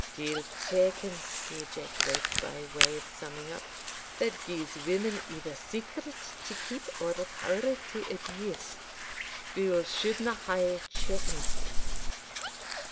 Deil tak him," he ejaculated, by way of summing up, "that gies women either secret to keep or power to abuse fules shouldna hae chapping sticks."